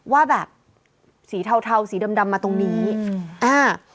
ว่าแบบสีเทาเทาสีดำดำมาตรงนี้อืมอ่า